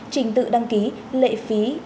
trình tự đăng ký lệ phí